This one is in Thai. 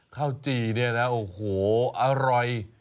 ข้าวจี่เนี่ยนะโอ้โหอร่อย